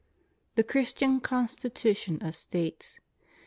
THE CHRISTIAN CONSTITUTION OF STATES.